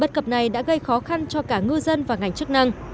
bất cập này đã gây khó khăn cho cả ngư dân và ngành chức năng